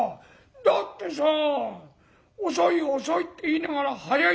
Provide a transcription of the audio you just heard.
「だってさ遅い遅いって言いながら早いんですもの。